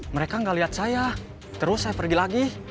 mereka gak lihat saya terus saya pergi lagi